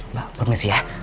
mbak permisi ya